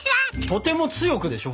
とても強くでしょ？